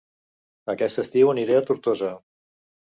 Aquest estiu aniré a Tortosa